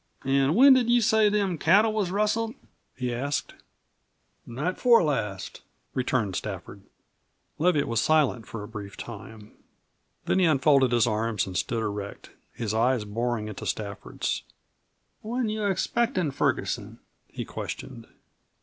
"An' when did you say them cattle was rustled?" he asked. "Night before last," returned Stafford. Leviatt was silent for a brief time. Then he unfolded his arms and stood erect, his eyes boring into Stafford's. "When you expectin' Ferguson?" he questioned.